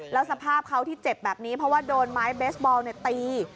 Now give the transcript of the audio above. แล้วสภาพเขาที่เจ็บแบบนี้เพราะว่าโดนไม้เบสบอลตี